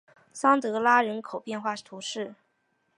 桑德拉人口变化图示